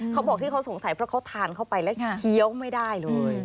เขาบอกที่เขาสงสัยเพราะเขาทานเข้าไปแล้วเคี้ยวไม่ได้เลย